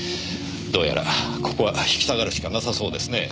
どうやらここは引き下がるしかなさそうですねぇ。